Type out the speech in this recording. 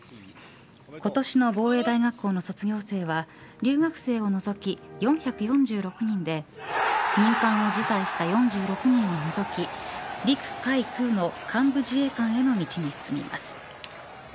今年の防衛大学校の卒業生は留学生を除き４４６人で任官を辞退した４６人を除き、陸海空の幹部自衛官への道に進みます。